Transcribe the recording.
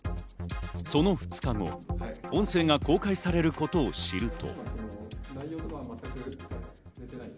その２日後、音声が公開されることを知ると。